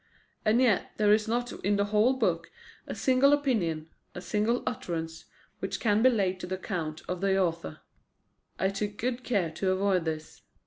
And yet there is not in the whole book a single opinion, a single utterance, which can be laid to the account of the author. I took good care to avoid this.